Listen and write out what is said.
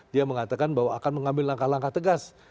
dia mengatakan bahwa akan mengambil langkah langkah tegas